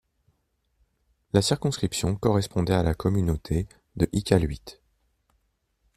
La circonscription correspondait à la communauté de Iqaluit.